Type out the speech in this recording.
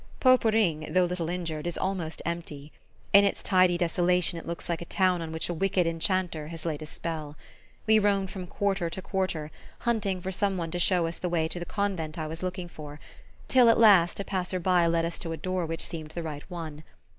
Poperinghe, though little injured, is almost empty. In its tidy desolation it looks like a town on which a wicked enchanter has laid a spell. We roamed from quarter to quarter, hunting for some one to show us the way to the convent I was looking for, till at last a passer by led us to a door which seemed the right one.